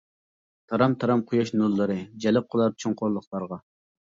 تارام-تارام قۇياش نۇرلىرى، جەلپ قىلار چوڭقۇرلۇقلارغا.